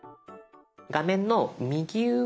画面の右上